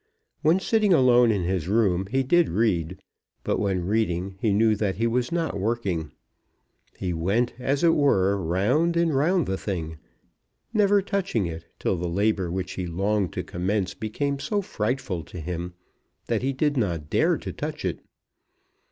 When sitting alone in his room he did read; but when reading he knew that he was not working. He went, as it were, round and round the thing, never touching it, till the labour which he longed to commence became so frightful to him that he did not dare to touch it.